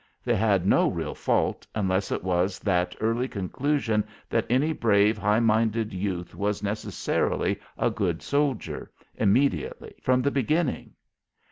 They had no real fault, unless it was that early conclusion that any brave high minded youth was necessarily a good soldier immediately, from the beginning.